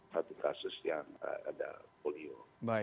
satu kasus yang ada polio